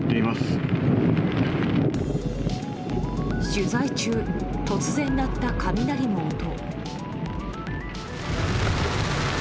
取材中、突然鳴った雷の音。